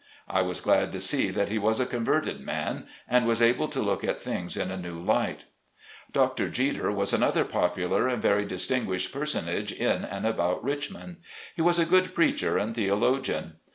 I was glad to see that he was a converted man, and was able to look at things in a new light. Dr. Jeter was another popular and very distin guished personage in and about Richmond. He was a good preacher and theologian.